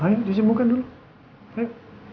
ayo disembuhkan dulu ayo